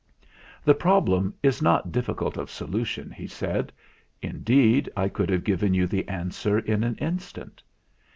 "The problem is not difficult of solution," he said; "indeed, I could have given you the answer in an instant.